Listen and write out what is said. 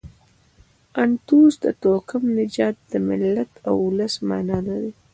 انتوس د توکم، نژاد، د ملت او اولس مانا لري.